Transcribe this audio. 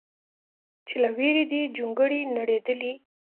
چې له ویرې دې جونګړې نړېدلې